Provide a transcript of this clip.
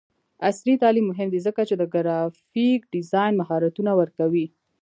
عصري تعلیم مهم دی ځکه چې د ګرافیک ډیزاین مهارتونه ورکوي.